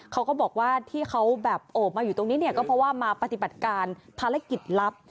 เขาก็บอกว่าที่เขาแบบโอบมาอยู่ตรงนี้เนี่ยก็เพราะว่ามาปฏิบัติการภารกิจลับ